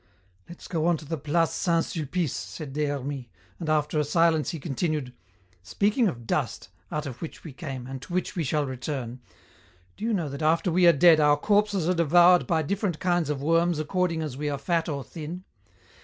"Let's go on to the place Saint Sulpice," said Des Hermies, and after a silence he continued, "Speaking of dust, 'out of which we came and to which we shall return,' do you know that after we are dead our corpses are devoured by different kinds of worms according as we are fat or thin?